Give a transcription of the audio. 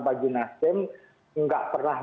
bagi nasden nggak pernah